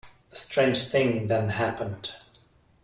A strange thing then happened.